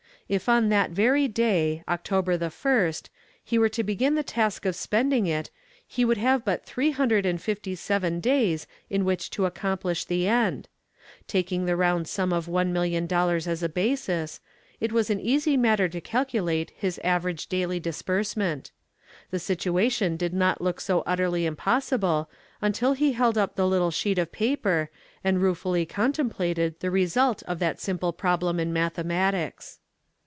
If on that very day, October the first, he were to begin the task of spending it he would have but three hundred and fifty seven days in which to accomplish the end. Taking the round sum of one million dollars as a basis, it was an easy matter to calculate his average daily disbursement. The situation did not look so utterly impossible until he held up the little sheet of paper and ruefully contemplated the result of that simple problem in mathematics.